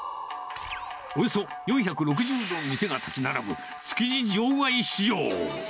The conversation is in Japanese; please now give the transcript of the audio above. およそ４６０の店が建ち並ぶ、築地場外市場。